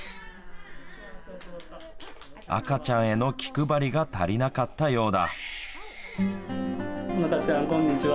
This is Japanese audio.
赤ちゃんへの気配りが足りなかったようだ。